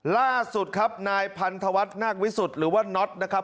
ล่าสุดครับนายพันธวัฒน์นาควิสุทธิ์หรือว่าน็อตนะครับ